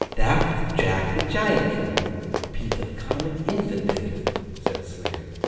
'That'h Jack the Giant Killer—piethe of comic infant bithnith,' said Sleary.